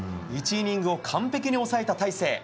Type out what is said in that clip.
１イニングを完璧に抑えた大勢。